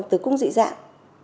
tử cung dị dạng